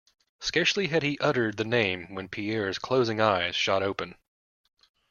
Scarcely had he uttered the name when Pierre's closing eyes shot open.